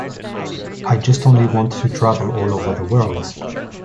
I just only want to travel all over the world!